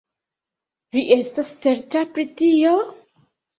Vi estas certa pri tio?